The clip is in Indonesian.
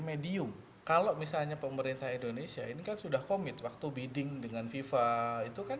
medium kalau misalnya pemerintah indonesia ini kan sudah komit waktu bidding dengan fifa itu kan